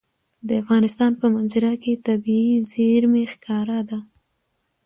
د افغانستان په منظره کې طبیعي زیرمې ښکاره ده.